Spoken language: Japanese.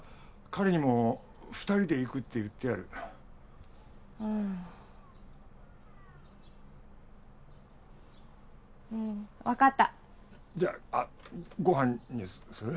彼にも２人で行くって言ってあるああうん分かったじゃあご飯にする？